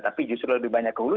tapi justru lebih banyak ke hulu